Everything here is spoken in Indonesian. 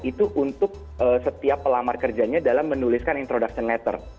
itu untuk setiap pelamar kerjanya dalam menuliskan introduction letter